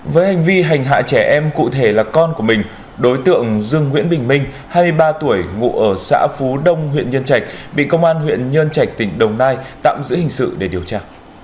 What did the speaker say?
với hành vi hành hạ trẻ em cụ thể là con của mình đối tượng dương nguyễn bình minh hai mươi ba tuổi ngụ ở xã phú đông huyện nhân trạch bị công an huyện nhân trạch tỉnh đồng nai tạm giữ hình sự để điều tra